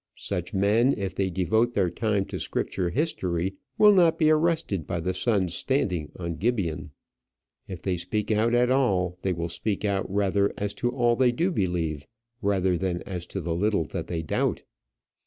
Such men, if they devote their time to Scripture history, will not be arrested by the sun's standing on Gibeon. If they speak out at all, they will speak out rather as to all they do believe than as to the little that they doubt.